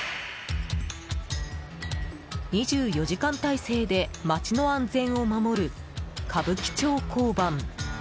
２４時間体制で街の安全を守る歌舞伎町交番。